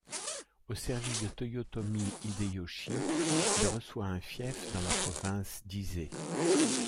Au service de Toyotomi Hideyoshi, il reçoit un fief dans la province d'Ise.